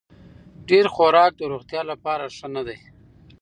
ډېر خوراک د روغتیا لپاره ښه نه دی.